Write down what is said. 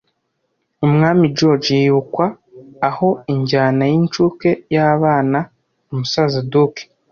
Umwami George yibukwa aho injyana y'incuke y'abana Umusaza Duke